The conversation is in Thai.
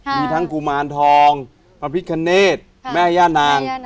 มีทั้งกุมารทองพระพิคเนธแม่ย่านาง